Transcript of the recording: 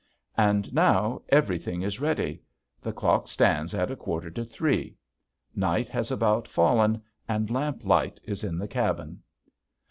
And now everything is ready. The clock stands at a quarter to three. Night has about fallen and lamp light is in the cabin.